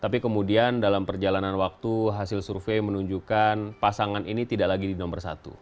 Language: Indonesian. tapi kemudian dalam perjalanan waktu hasil survei menunjukkan pasangan ini tidak lagi di nomor satu